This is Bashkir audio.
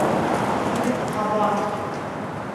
Юҡ ҡаҙаҡ!